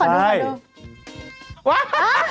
ว้าฮ่าฮ่า